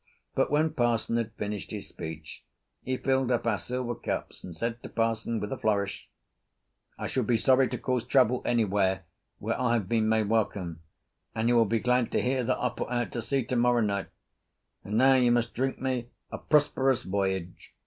But when parson had finished his speech he filled up our silver cups and said to parson, with a flourish, "I should be sorry to cause trouble anywhere where I have been made welcome, and you will be glad to hear that I put to sea tomorrow night. And now you must drink me a prosperous voyage."